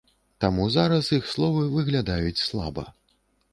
Таму зараз іх словы выглядаюць слаба.